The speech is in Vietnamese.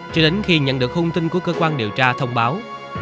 cho đến khi nhận được thông tin của cơ quan điều tra thông báo